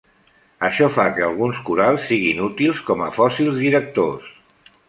Això fa que alguns corals siguin útils com a fòssils directors.